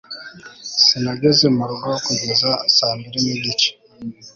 sinageze mu rugo kugeza saa mbiri n'igice